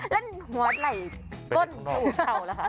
แล้วหัวไหล่ก้นถูกเข่าหรือคะ